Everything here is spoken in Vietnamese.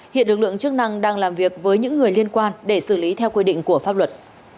hiện lực lượng chức năng đang làm việc với những người liên quan để xử lý theo quy định của pháp luật